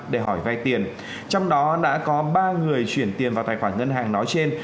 để hỏi vay tiền trong đó đã có ba người chuyển tiền vào tài khoản ngân hàng nói trên